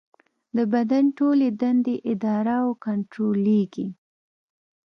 د بدن ټولې دندې اداره او کنټرولېږي.